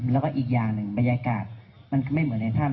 แล้วก็อีกอย่างหนึ่งบรรยากาศมันไม่เหมือนในถ้ำ